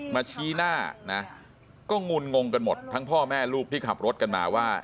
ชี้หน้านะก็งุลงงงกันหมดทั้งพ่อแม่ลูกที่ขับรถกันมาว่า